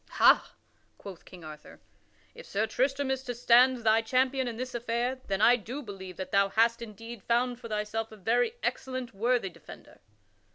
"Ha!" quoth King Arthur, "if Sir Tristram is to stand thy champion in this affair, then I do believe that thou hast indeed found for thyself a very excellent, worthy defender."